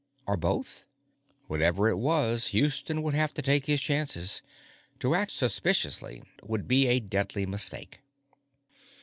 Or both? Whatever it was, Houston would have to take his chances; to act suspiciously would be a deadly mistake.